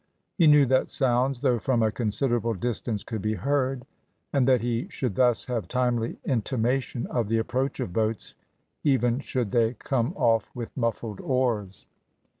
He knew that sounds, though from a considerable distance, could be heard, and that he should thus have timely intimation of the approach of boats, even should they come off with muffled oars.